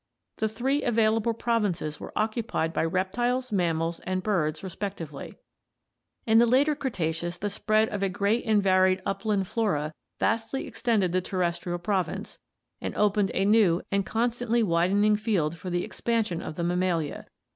The three available provinces were occupied by reptiles, mammals, and birds respectively. In the later Cretaceous the spread of a great and varied upland flora vastly extended the terrestrial province, and opened a new and constantly widening field for the ex pansion of the Mammalia.